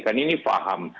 karena ini paham